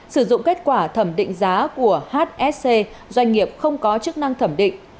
sử dụng kết quả thẩm định giá của hsc doanh nghiệp không có chức năng thẩm định